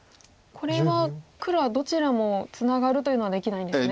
これは黒はどちらもツナがるというのはできないんですね。